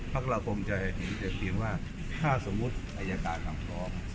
พรรคเราคงใจจนคิดว่าถ้าสมมติอายการจังฟ้อง